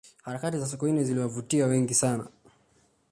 harakati za sokoine ziliwavutia wengi sana